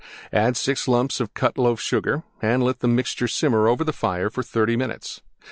Add 6 lumps Cut Loaf Sugar and let the mixture simmer over the fire for 30 minutes.